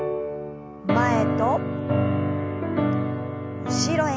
前と後ろへ。